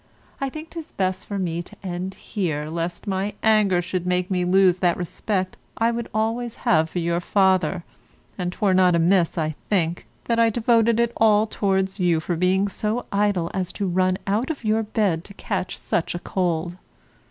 I think 'tis best for me to end here lest my anger should make me lose that respect I would always have for your father, and 'twere not amiss, I think, that I devoted it all towards you for being so idle as to run out of your bed to catch such a cold.